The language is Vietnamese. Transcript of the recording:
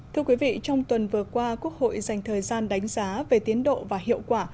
thưa quý vị trong tuần vừa qua quốc hội dành thời gian đánh giá về tiến độ và hiệu quả